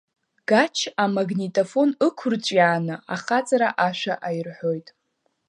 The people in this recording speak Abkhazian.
Гач амагнитофон ықәырҵәиааны ахаҵара ашәа аирҳәоит.